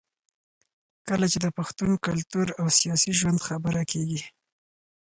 کله چې د پښتون کلتور او سياسي ژوند خبره کېږي